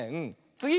つぎ！